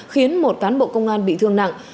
khiến một cán bộ công an bị thương nặng